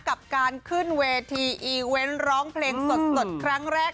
กับการขึ้นเวทีอีเวนต์ร้องเพลงสดครั้งแรก